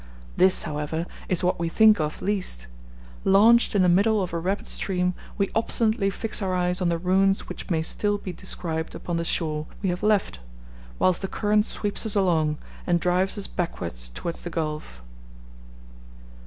This, however, is what we think of least; launched in the middle of a rapid stream, we obstinately fix our eyes on the ruins which may still be described upon the shore we have left, whilst the current sweeps us along, and drives us backwards towards the gulf.